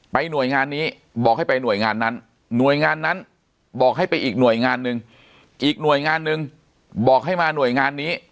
หน่วยงานนี้บอกให้ไปหน่วยงานนั้นหน่วยงานนั้นบอกให้ไปอีกหน่วยงานหนึ่งอีกหน่วยงานหนึ่งบอกให้มาหน่วยงานนี้